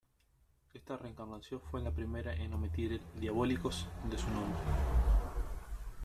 Esta encarnación fue la primera en omitir el "diabólicos" de su nombre.